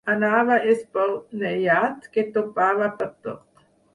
Anava esborneiat, que topava pertot.